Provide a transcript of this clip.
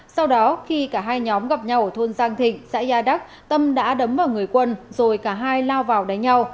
sau đó khi cả hai nhóm gặp nhau ở thôn giang thịnh xã gia đắc tâm đã đấm vào người quân rồi cả hai lao vào đánh nhau